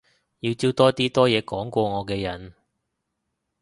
要招多啲多嘢講過我嘅人